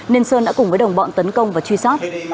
nên sơn đã cùng với đồng bọn tấn công và truy sát